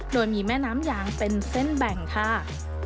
โดยมีแม่น้ำยางเป็นเส้นแบ่งค่ะ